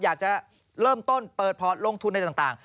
อยากจะเริ่มต้นเปิดพอลงทุนในต่าง